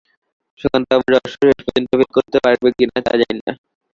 সুধাকান্তবাবুর রহস্যও শেষ পর্যন্ত ভেদ করতে পারব কি না তা জানি না।